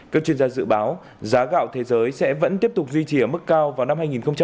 các chuyên gia dự báo giá gạo thế giới sẽ vẫn tiếp tục duy trì ở mức cao vào năm hai nghìn hai mươi